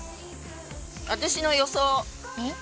私の予想。